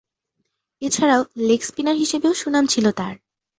এছাড়াও leg spinner হিসেবেও সুনাম ছিল তার।